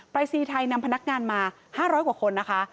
รายซีไทยนำพนักงานมา๕๐๐กว่าคนนะคะ